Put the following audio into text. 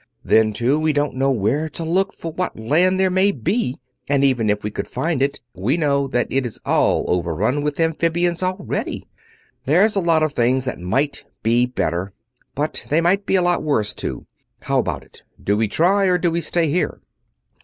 Then, too, we don't know where to look for what land there may be, and even if we could find it, we know that it is all over run with amphibians already. There's a lot of things that might be better, but they might be a lot worse, too. How about it? Do we try or do we stay here?"